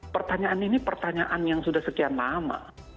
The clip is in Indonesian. pertanyaan ini pertanyaan yang sudah sekian lama